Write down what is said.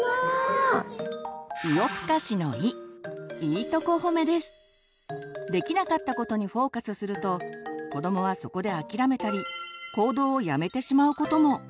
でもここはできなかったことにフォーカスすると子どもはそこで諦めたり行動をやめてしまうことも。